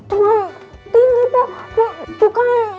wah teman tinggi bapak